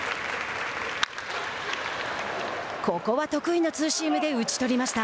ここは得意のツーシームで打ち取りました。